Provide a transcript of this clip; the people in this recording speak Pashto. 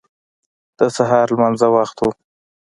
د سهار لمانځه وخت و.